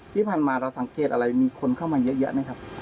ที่ผ่านมาเราสังเกตอะไรมีคนเข้ามาเยอะแยะไหมครับ